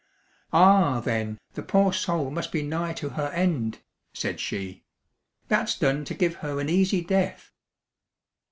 "Ah, then, the poor soul must be nigh to her end," said she. "That's done to give her an easy death."